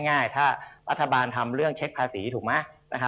อย่างง่ายถ้ารัฐบาลทำเรื่องเช็คภาษีถูกมั้ย